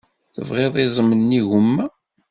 Tebɣiḍ iẓem n yigumma?